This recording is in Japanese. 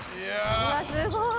「うわっすごい！